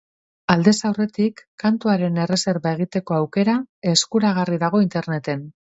Aldez aurretik kantuaren erreserba egiteko aukera eskuragarri dago interneten.